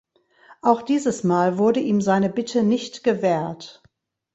Auch dieses Mal wurde ihm seine Bitte nicht gewährt.